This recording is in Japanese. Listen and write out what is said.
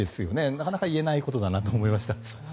なかなか言えないことだなと思いました。